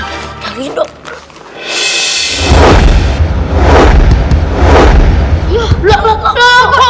kita buka dulu